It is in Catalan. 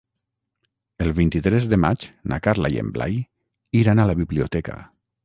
El vint-i-tres de maig na Carla i en Blai iran a la biblioteca.